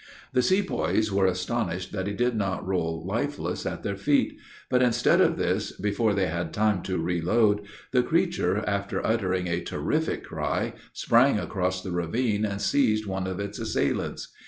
The sepoys were astonished that he did not roll lifeless at their feet; but, instead of this, before they had time to reload, the creature, after uttering a terrific cry, sprang across the ravine and seized one of its assailants.